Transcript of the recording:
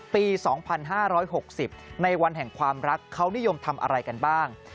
ปี๒๕๖๐ในวันแห่งความรักเขานิยมทำอะไรกันบ้าง